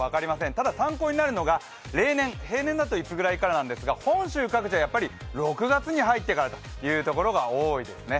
ただ参考になるのが例年、平年だといつぐらいからなんですが本州各地はやっぱり６月に入ってからというところが多いですね。